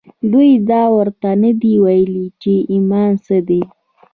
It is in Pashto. دوی دا ورته نه دي ويلي چې ايمان څه دی.